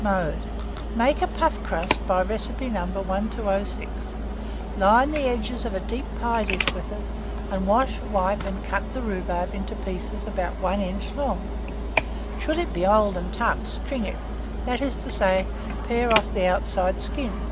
Mode. Make a puff crust by recipe No. 1206; line the edges of a deep pie dish with it, and wash, wipe, and cut the rhubarb into pieces about 1 inch long. Should it be old and tough, string it, that is to say, pare off the outside skin.